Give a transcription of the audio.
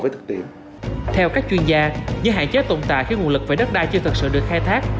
với thực tiễn theo các chuyên gia những hạn chế tồn tại khi nguồn lực về đất đai chưa thực sự được